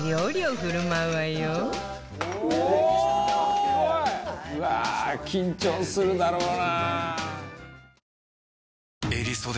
「うわー緊張するだろうな」